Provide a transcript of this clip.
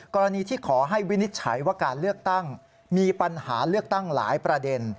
กรณีที่ขอให้วินิจฉัยว่าการเลือกตั้งมีปัญหาเลือกตั้งหลายประเด็น